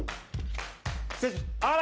あら！